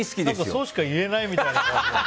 そうしか言えないみたいな。